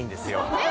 えっ？